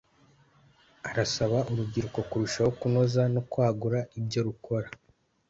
arasaba urubyiruko kurushaho kunoza no kwagura ibyo rukora